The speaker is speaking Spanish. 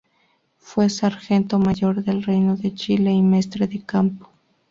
Fue sargento mayor del Reino de Chile y mestre de campo.